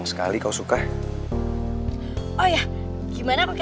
istrainya saya di sini